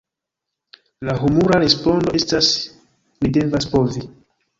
La humura respondo estas "Ni devas povi!